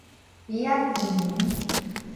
埤仔墘